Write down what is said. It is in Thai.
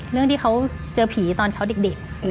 เรื่องที่เขาเจอผีตอนเขาเด็ก